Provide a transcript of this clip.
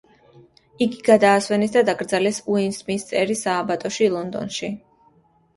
იგი გადაასვენეს და დაკრძალეს უესტმინსტერის სააბატოში, ლონდონში.